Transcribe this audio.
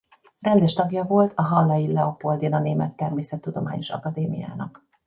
Rendes tagja volt a hallei Leopoldina Német Természettudományos Akadémiának.